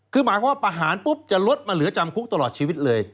คือหมายความว่าประหารปุ๊บจะลดมาเหลือจำคุกตลอดชีวิตเลย